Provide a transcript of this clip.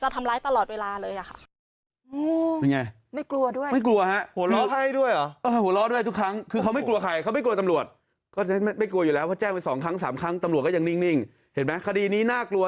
แต่ทุกครั้งเขาก็เจอเขาก็ไม่กลัว